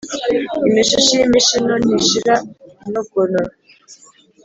Imishishi y’imishino ntishira inogonora.